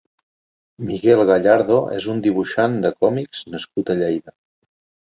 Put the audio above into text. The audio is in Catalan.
Miguel Gallardo és un dibuixant de còmics nascut a Lleida.